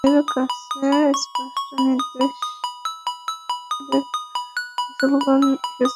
তাদের কাছে স্পষ্ট নিদর্শনসহ তাদের রসূলগণ এসেছিল।